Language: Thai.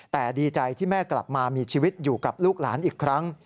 แต่ดีใจที่แม่กลับมามีชีวิตอยู่กับลูกหลานอีกครั้ง